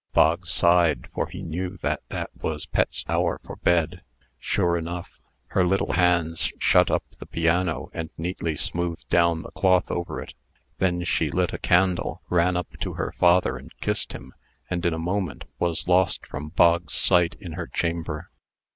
Bog sighed, for he knew that that was Pet's hour for bed. Sure enough. Her little hands shut up the piano, and neatly smoothed down the cloth over it. Then she lit a candle, ran up to her father and kissed him, and in a moment was lost from Bog's sight in her chamber.